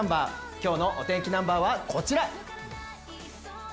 今日のお天気ナンバーはこちら！